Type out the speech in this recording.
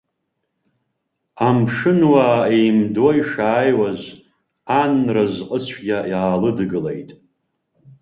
Амшынуаа еимдо ишааиуаз, ан разҟыцәгьа иаалыдгылеит.